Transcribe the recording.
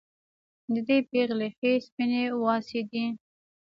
د دې پېغلې ښې سپينې واڅې دي